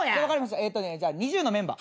えっとねＮｉｚｉＵのメンバー。